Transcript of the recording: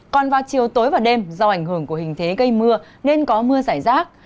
còn vào chiều tối và đêm do ảnh hưởng của hình thế gây mưa nên có mưa giải rác